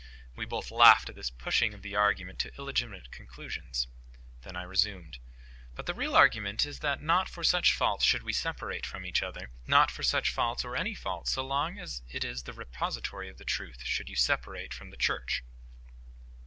We both laughed at this pushing of the argument to illegitimate conclusions. Then I resumed: "But the real argument is that not for such faults should we separate from each other; not for such faults, or any faults, so long as it is the repository of the truth, should you separate from the Church."